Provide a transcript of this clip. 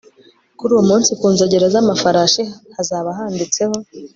kuri uwo munsi ku nzogera z amafarashi hazaba handitseho